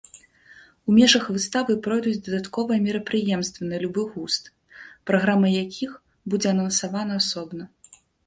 У межах выставы пройдуць дадатковыя мерапрыемствы на любы густ, праграма якіх будзе анансавана асобна.